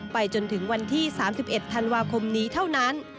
ไปจนถึงวันที่๓๑ธันวาคมนี้เท่านั้น